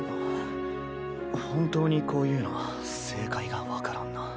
本当にこういうのは正解が分からんな。